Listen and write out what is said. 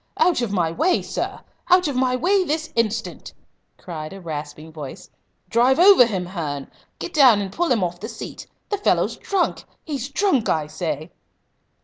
"Out of my way, sir! Out of my way this instant!" cried a rasping voice. "Drive over him, Hearn! Get down and pull him off the seat. The fellow's drunk he's drunk I say!"